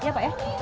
iya pak ya